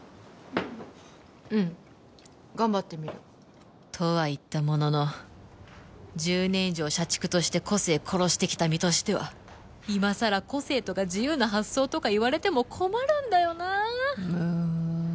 うん頑張ってみるとは言ったものの１０年以上社畜として個性殺してきた身としては今さら個性とか自由な発想とか言われても困るんだよなむん